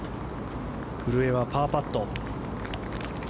古江はパーパット。